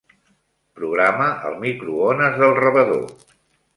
Programa el microones del rebedor.